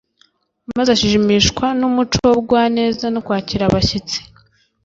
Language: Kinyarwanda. maze ashimishwa n umuco w ubugwaneza no kwakira abashyitsi